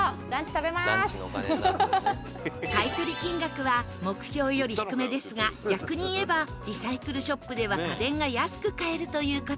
買取金額は目標より低めですが逆に言えばリサイクルショップでは家電が安く買えるという事。